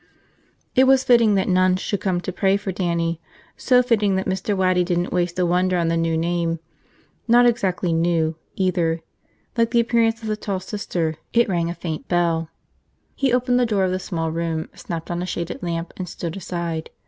It was fitting that nuns should come to pray for Dannie, so fitting that Mr. Waddy didn't waste a wonder on the new name. Not exactly new, either. Like the appearance of the tall Sister, it rang a faint bell. He opened the door of the small room, snapped on a shaded lamp, and stood aside.